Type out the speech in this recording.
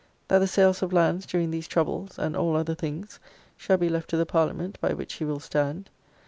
That the sales of lands during these troubles, and all other things, shall be left to the Parliament, by which he will stand.